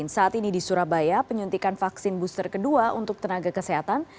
saat ini di surabaya penyuntikan vaksin booster kedua untuk tenaga kesehatan